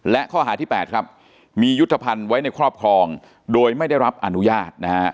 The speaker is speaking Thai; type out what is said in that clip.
และข้อหาที่๘ครับมียุทธภัณฑ์ไว้ในครอบครองโดยไม่ได้รับอนุญาตนะฮะ